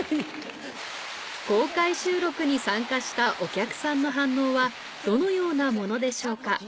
公開収録に参加したお客さんの反応はどのようなものでしょうか？